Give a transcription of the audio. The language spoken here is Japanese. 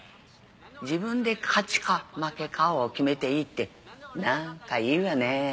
自分で勝ちか負けかを決めていいって何かいいわね。